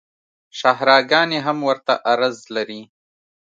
شاهراه ګانې هم ورته عرض لري